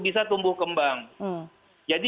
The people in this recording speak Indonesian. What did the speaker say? bisa tumbuh kembang jadi